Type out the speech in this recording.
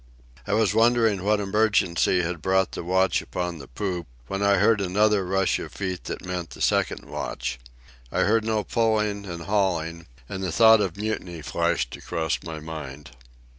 I was wondering what emergency had brought the watch upon the poop, when I heard another rush of feet that meant the second watch. I heard no pulling and hauling, and the thought of mutiny flashed across my mind.